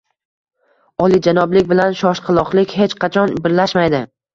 Oliyjanoblik bilan shoshqaloqlik hech qachon birlashmaydi.